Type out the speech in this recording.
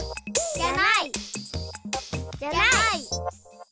じゃない。